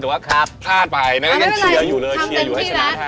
แต่ว่าพลาดไปยังเชียร์อยู่เลยเชียร์อยู่ให้ชนะท่านะฮะ